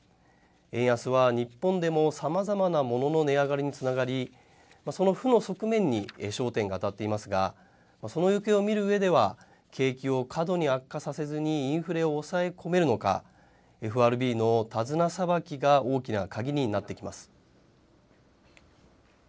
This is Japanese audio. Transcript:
円安は日本でも、さまざまなものの値上がりにつながり、その負の側面に焦点が当たっていますが、その行方を見るうえでは、景気を過度に悪化させずにインフレを抑え込めるのか、ＦＲＢの手綱さばきが大きな鍵になってきます。